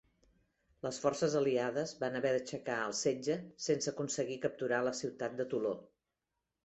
Les forces aliades van haver d'aixecar el setge sense aconseguir capturar la ciutat de Toló.